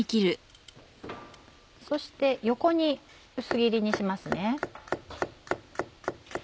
そして横に薄切りにしますね。